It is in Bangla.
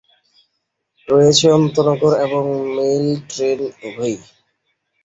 রয়েছে আন্তঃনগর এবং মেইল ট্রেন উভয়ই।